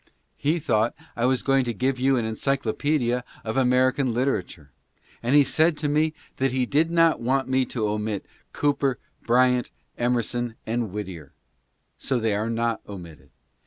He thought I was going to give you an encyclopedia of American literature, and he said to me that he did not want me to omit Cooper, Bryant, Emerson, and Whittier — so they are not omitted.